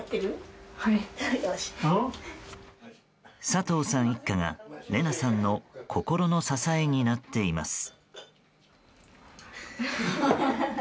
佐藤さん一家がレナさんの心の支えになっています。